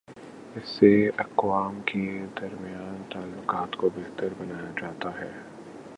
اس سے اقوام کے درمیان تعلقات کو بہتر بنایا جا تا ہے۔